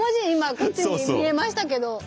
今こっちに見えましたけど。